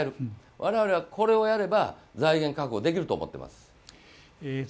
我々はこれをやれば財源確保できると思っています。